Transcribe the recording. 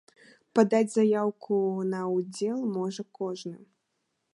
Падаць заяўку на ўдзел можа кожны.